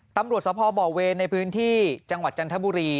ตำรวจสพบเวรในพื้นที่จังหวัดจันทบุรี